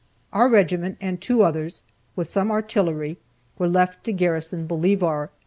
Our regiment and two others, with some artillery, were left to garrison Bolivar.